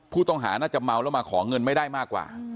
ผู้ต้องหาน่าจะเมาแล้วมาขอเงินไม่ได้มากกว่า